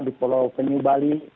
di pulau penyubali